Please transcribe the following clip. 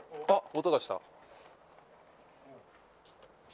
音がした。